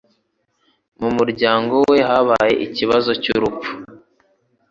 Mu muryango we habaye ikibazo cyurupfu